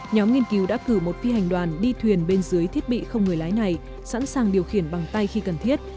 nhóm nghiên cứu đã cử một phi hành đoàn đi thuyền bên dưới thiết bị không người lái này sẵn sàng điều khiển bằng tay khi cần thiết